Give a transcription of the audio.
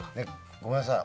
ごめんなさい。